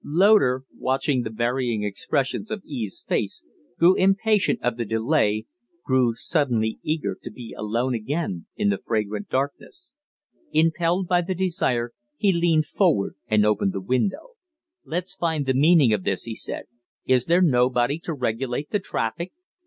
Loder, watching the varying expressions of Eve's face, grew impatient of the delay, grew suddenly eager to be alone again in the fragrant darkness. Impelled by the desire, he leaned forward and opened the window. "Let's find the meaning of this," he said. "Is there nobody to regulate the traffic?"